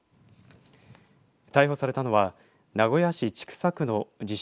逮捕されたのは名古屋市千種区の自称